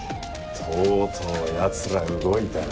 とうとうヤツら動いたな。